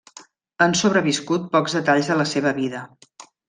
Han sobreviscut pocs detalls de la seva vida.